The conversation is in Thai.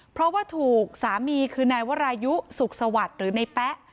เพราะว่าถูกสามีคือนายวรายุสุขสวัสดิ์หรือในแป๊ะ